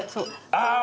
ああ！